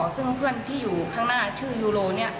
ซึ่งเพื่อนที่อยู่ข้างหน้าชื่อยูโรเนี่ย